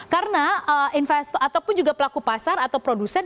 karena investor ataupun juga pelaku pasar atau produsen